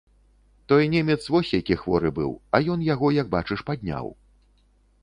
Той немец вось які хворы быў, а ён яго, як бачыш, падняў.